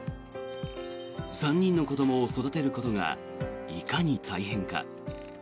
３人の子どもを育てることがいかに大変か。